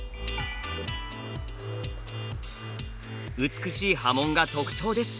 美しい刃文が特徴です。